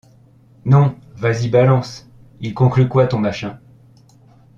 Non, vas-y balance, il conclut quoi ton machin ?